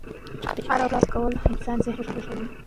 پلار وویل چې وخت کم دی.